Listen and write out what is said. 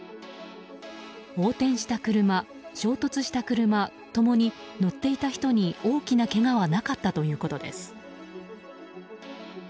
横転した車、衝突した車ともに乗っていた人に大きなけがはなかったということです。